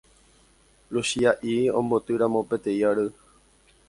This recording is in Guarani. Luchia'i ombotýramo peteĩ ary